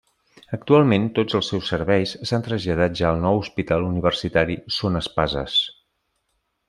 Actualment tots els seus Serveis s'han traslladat ja al nou Hospital Universitari Son Espases.